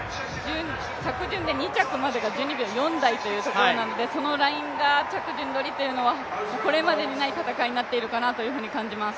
着順で２着までが、１２秒４台というところなのでそのラインが着順取りというのがこれまでにない戦いになっているかなと感じます。